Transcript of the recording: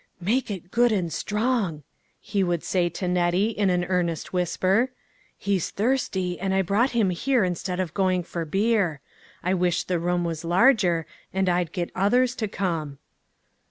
" Make it good and strong," he would say to Nettie in an earnest whisper. "He's thirsty, and I brought him here instead of going for beer. I wish the room was larger, and I'd get others to come."